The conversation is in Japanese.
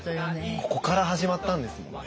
ここから始まったんですもんね。